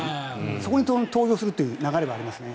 そこに投票するという流れはありますね。